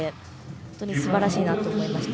本当にすばらしいなと思いました。